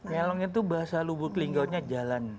ngelong itu bahasa lubuk lingga nya jalan